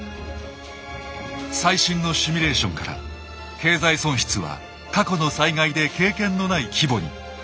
最新のシミュレーションから経済損失は過去の災害で経験のない規模に。